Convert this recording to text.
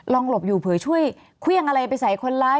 หลบอยู่เผื่อช่วยเครื่องอะไรไปใส่คนร้าย